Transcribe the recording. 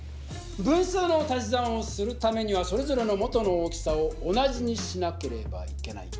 分数の足し算をするためにはそれぞれの元の大きさを同じにしなければいけない。